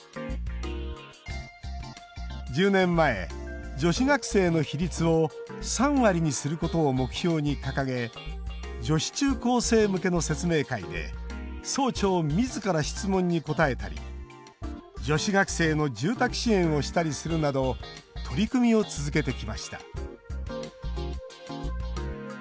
１０年前、女子学生の比率を３割にすることを目標に掲げ女子中高生向けの説明会で総長みずから質問に答えたり女子学生の住宅支援をしたりするなど取り組みを続けてきました。